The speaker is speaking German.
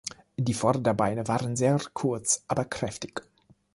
Die Vorderbeine waren sehr kurz aber kräftig.